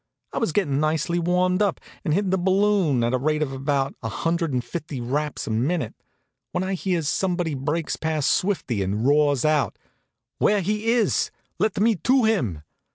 I was getting nicely warmed up, and hittin' the balloon at the rate of about a hundred and fifty raps a minute, when I hears somebody break past Swifty and roar out: "Where he iss? Let me to him!"